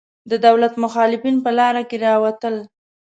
د دولت مخالفین په لاره کې راوتل.